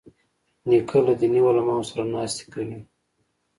نیکه له دیني علماوو سره ناستې کوي.